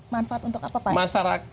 manfaat untuk apa pak